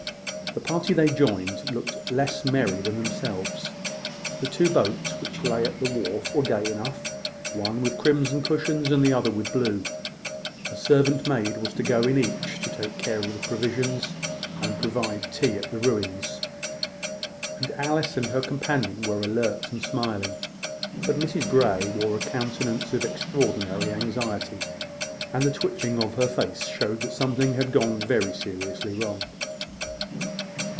The party they joined looked less merry than themselves. The two boats which lay at the wharf were gay enough the one with crimson cushions, and the other with blue. A servant maid was to go in each, to take care of the provisions, and provide tea at the ruins; and Alice and her companion were alert and smiling. But Mrs Grey wore a countenance of extraordinary anxiety; and the twitching of her face showed that something had gone very seriously wrong.